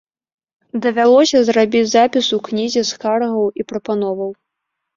Давялося зрабіць запіс у кнізе скаргаў і прапановаў.